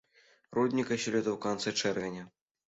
Рудніка сёлета ў канцы чэрвеня.